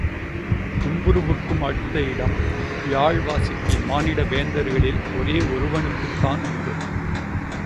தும்புருவுக்கும் அடுத்த இடம், யாழ் வாசிப்பில் மானிட வேந்தர்களில் ஒரே ஒருவனுக்குத்தான் உண்டு.